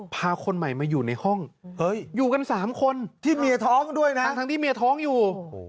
พาคนใหม่มาอยู่ในห้องอยู่กัน๓คนทั้งที่เมียท้องอยู่